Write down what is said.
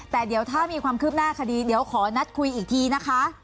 แต่เดี๋ยวถ้ามีความคืบหน้าคดีเดี๋ยวขอนัดคุยอีกทีนะคะ